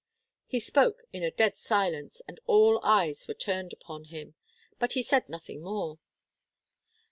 He spoke in a dead silence, and all eyes were turned upon him. But he said nothing more.